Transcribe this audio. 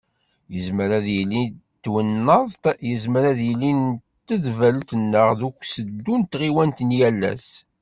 Yezmer ad yili n twennaḍt, yezmer ad yili n tedbelt neɣ deg useddu n tɣiwant n yal ass.